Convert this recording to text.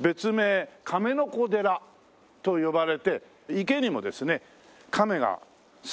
別名亀の子寺と呼ばれて池にもですね亀が数匹ねっ。